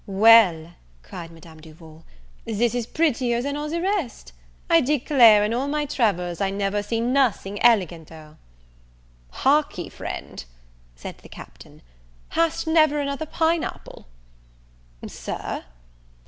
"Well," cried Madame Duval, "this is prettier than all the rest! I declare, in all my travels, I never see nothing eleganter." "Hark ye, friend," said the Captain, "hast never another pine apple?" "Sir?